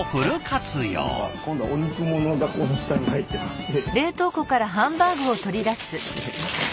今度はお肉ものがこの下に入ってまして。